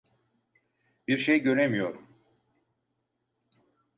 Bir şey göremiyorum!